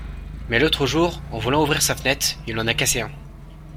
Mais l’autre jour, en voulant ouvrir sa fenêtre, il en a cassé un !…